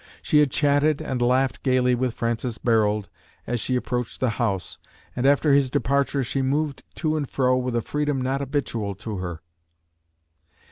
She had chatted and laughed gayly with Francis Barold, as she approached the house; and after his departure she moved to and fro with a freedom not habitual to her.